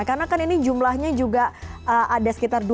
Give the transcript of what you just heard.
karena kan ini jumlahnya juga ada sekitar seratus orang